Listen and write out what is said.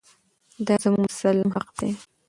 دا زموږ مسلم حق دی.